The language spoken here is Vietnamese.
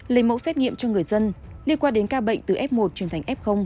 lấy mẫu xét nghiệm cho người dân liên quan đến ca bệnh từ f một truyền thành f